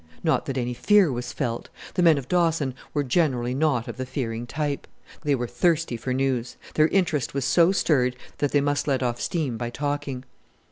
Not that any fear was felt. The men of Dawson were generally not of the fearing type. They were thirsty for news; their interest was so stirred that they must let off steam by talking.